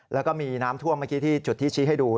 แล้วก็มีน้ำท่วมเมื่อกี้ที่จุดที่ชี้ให้ดู